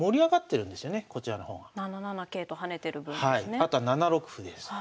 あとは７六歩です。